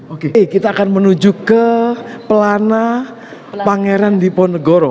oke kita akan menuju ke pelana pangeran diponegoro